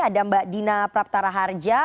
ada mbak dina praptara harja